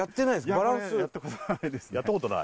バランスやったことない？